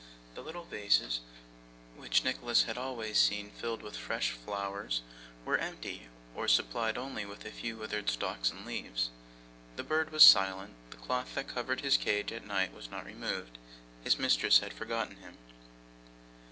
The little vases which Nicholas had always seen filled with fresh flowers were empty, or supplied only with a few withered stalks and leaves. The bird was silent. The cloth that covered his cage at night was not removed. His mistress had forgotten him.